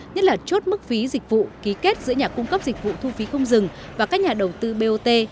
nhất là chốt mức phí dịch vụ ký kết giữa nhà cung cấp dịch vụ thu phí không dừng và các nhà đầu tư bot